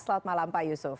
selamat malam pak yusuf